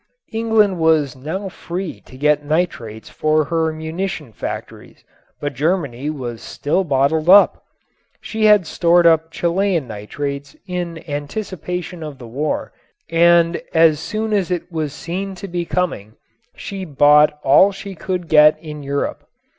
England was now free to get nitrates for her munition factories, but Germany was still bottled up. She had stored up Chilean nitrates in anticipation of the war and as soon as it was seen to be coming she bought all she could get in Europe.